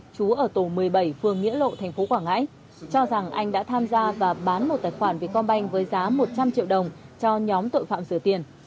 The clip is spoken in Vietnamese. chú ở tổ một mươi bảy phường nghĩa lộ tp quảng ngãi cho rằng anh đã tham gia và bán một tài khoản vietcombank với giá một trăm linh triệu đồng cho nhóm tội phạm sửa tiền